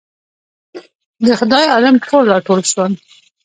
د خدای عالم ټول راټول شول.